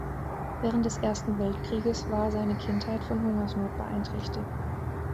Während des Ersten Weltkrieges war seine Kindheit von Hungersnot beeinträchtigt.